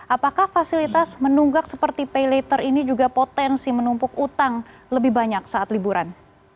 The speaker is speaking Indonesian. apakah fasilitas menunggak seperti pay later ini juga potensi menumpuk utang lebih banyak saat liburan